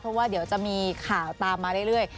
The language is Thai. เพราะว่าเดี๋ยวจะมีข่าวตามมาเรื่อย